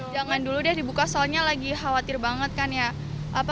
jangan dulu deh dibuka soalnya lagi khawatir banget kan ya